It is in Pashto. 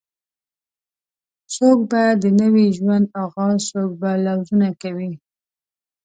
څوک به د نوې ژوند آغاز څوک به لوظونه کوي